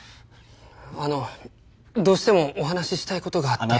あのどうしてもお話ししたいことがあって。